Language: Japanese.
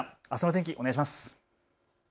船木さん、あすの天気、お願いします。